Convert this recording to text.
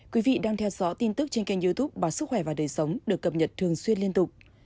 quý vị đang theo dõi tin tức trên kênh youtube báo sức khỏe và đời sống được cập nhật thường xuyên liên tục